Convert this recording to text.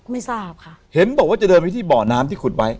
ไม่ทราบค่ะเห็นบอกว่าจะเดินไปที่บ่อน้ำที่ขุดไว้